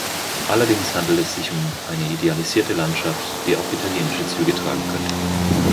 Allerdings handelt es sich um eine idealisierte Landschaft, die auch italienische Züge tragen könnte.